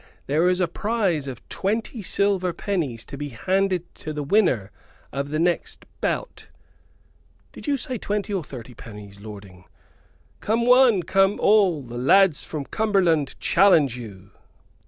There is a prize of twenty silver pennies to be handed to the winner of the next bout (did you say twenty or thirty pennies, lording?). Come one, come all the lads from Cumberland challenge you!"